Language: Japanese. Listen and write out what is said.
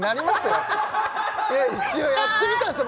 やっぱ一応やってみたんです